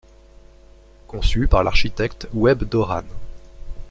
Conçu par l'architecte Webb Doran.